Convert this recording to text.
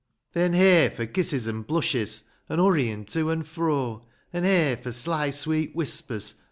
Then, hey for kisses an' blushes, An' hurryin' to an' fro; An' hey for sly, sweet whispers.